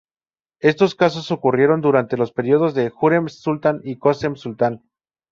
Estos casos ocurrieron durante los periodos de Hürrem Sultan y Kösem Sultan.